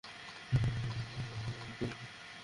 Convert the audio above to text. আমি বলেছি, আমার স্বাধীনতা চাই।